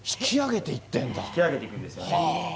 引き上げていくんですね。